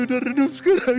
udah redup sekarang